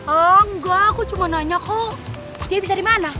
enggak aku cuma nanya kok dia habis dari mana